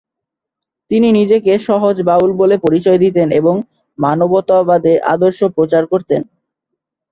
তিনি নিজেকে সহজ বাউল বলে পরিচয় দিতেন এবং মানবতাবাদের আদর্শ প্রচার করতেন।